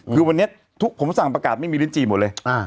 คือวันนี้ผมสั่งประกาศไม่มีลิ้นจีหมดเลย